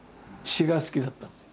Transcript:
詩が好きだったんです。